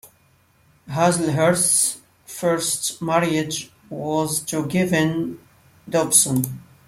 Hazlehurst's first marriage was to Kevin Dobson.